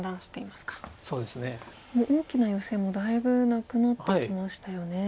もう大きなヨセもだいぶなくなってきましたよね。